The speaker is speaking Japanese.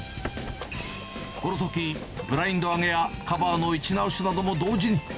このとき、ブラインド上げや、カバーの位置直しなども同時に。